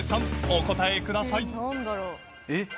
お答えくださいえっ？